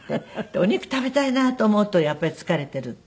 でお肉食べたいなと思うとやっぱり疲れているとかね。